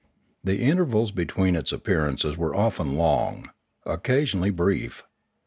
The intervals l)etween its appearances were often long, occasionally brief.